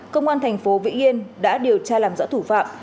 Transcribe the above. công an tp vĩnh yên đã điều tra làm rõ thủ phạm